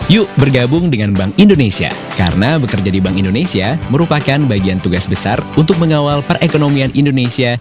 yuk bergabung dengan bank indonesia karena bekerja di bank indonesia merupakan bagian tugas besar untuk mengawal perekonomian indonesia